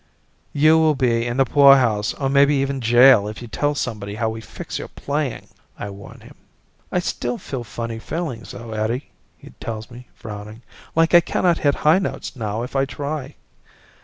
"You will be in the poorhouse or maybe even in jail if you tell somebody how we fix your playing," I warn him. "I still feel funny feelings though, Eddie," he tells me, frowning, "like I cannot hit high notes now if I try."